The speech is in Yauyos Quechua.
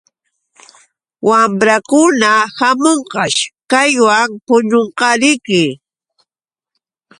Wamrankuna hamunqash kaywan puñunqariki.